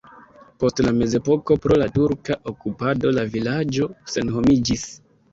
Post la mezepoko pro la turka okupado la vilaĝo senhomiĝis.